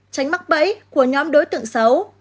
tránh mắc bẫy của nhóm đối tượng xấu